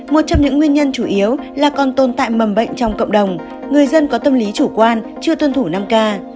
một trong những nguyên nhân chủ yếu là còn tồn tại mầm bệnh trong cộng đồng người dân có tâm lý chủ quan chưa tuân thủ năm k